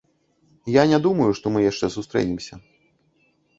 Я не думаю, што мы яшчэ сустрэнемся.